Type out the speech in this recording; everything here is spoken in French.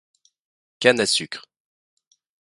Canne à sucre.